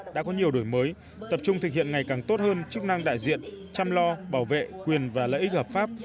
đã có nhiều đổi mới tập trung thực hiện ngày càng tốt hơn chức năng đại diện chăm lo bảo vệ quyền và lợi ích hợp pháp